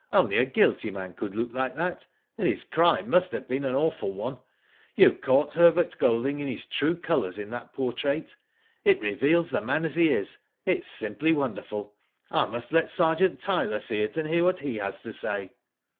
Only a guilty man could look like that, and his crime must have been an awful one. You caught Herbert Golding in his true colours in that portrait. It reveals the man as he is. It is simply wonderful. I must let Sergeant Tyler see it and hear what be has to say."